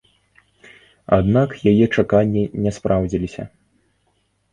Аднак яе чаканні не спраўдзіліся.